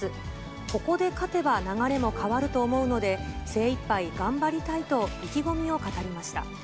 ここで勝てば流れも変わると思うので、精いっぱい頑張りたいと意気込みを語りました。